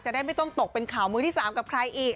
ได้ไม่ต้องตกเป็นข่าวมือที่๓กับใครอีก